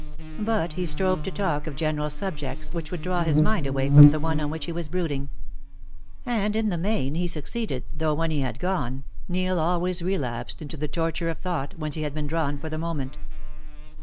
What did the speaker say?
But he strove to talk of general subjects which would draw his mind away from the one on which he was brooding. And in the main he succeeded, though when he had gone, Neil always relapsed into the torture of thought whence he had been drawn for the moment.